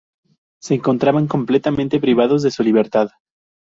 Se encontraban completamente privados de su libertad.